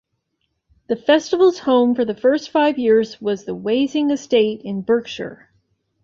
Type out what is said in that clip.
The festival's home for the first five years was the Wasing Estate, in Berkshire.